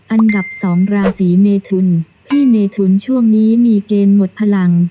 อันดับ๒ราศีเมทุนพี่เมทุนช่วงนี้มีเกณฑ์หมดพลัง